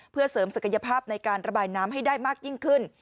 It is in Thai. เพื่อเสริมศักยภาพในการระบายน้ำให้ได้มากยิ่งขึ้น